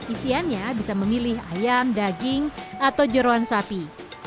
isiannya bisa memilih ayam daging atau jeruan sapi